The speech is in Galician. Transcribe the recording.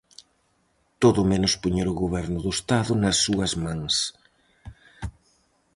Todo menos poñer o goberno do Estado nas súas mans.